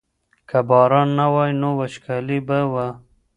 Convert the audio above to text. که باران نه وای نو وچکالي به وه.